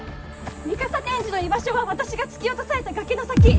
美笠天智の居場所は私が突き落とされた崖の先！